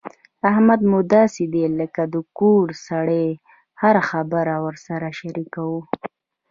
احمد مو داسې دی لکه د کور سړی هره خبره ورسره شریکوو.